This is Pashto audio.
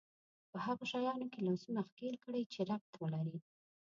په هغو شيانو کې لاسونه ښکېل کړي چې ربط ولري.